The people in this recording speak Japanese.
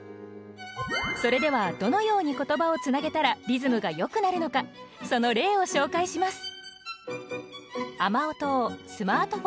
それではどのように言葉をつなげたらリズムがよくなるのかその例を紹介します。